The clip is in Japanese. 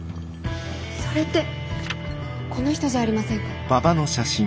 それってこの人じゃありませんか？